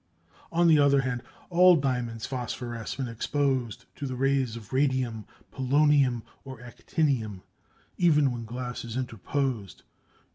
On the other hand all diamonds phosphoresce when exposed to the rays of radium, polonium, or actinium, even when glass is interposed.